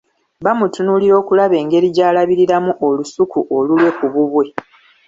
Bamutunuulira okulaba engeri gy’alabiriramu olusuku olulwe ku bubwe.